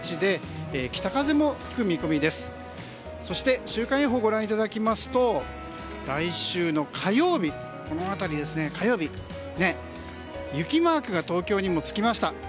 そして週間予報をご覧いただきますと来週の火曜日雪マークが東京にもつきました。